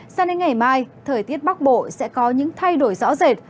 sang đến ngày mai thời tiết bắc bộ sẽ có những thay đổi rõ rệt